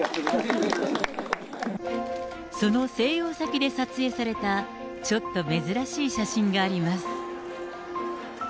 その静養先で撮影されたちょっと珍しい写真があります。